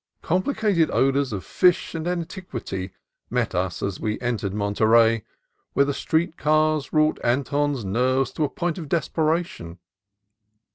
Complicated odors of fish and antiquity met us as we entered Monterey, where the street cars wrought Anton's nerves to a point of desperation.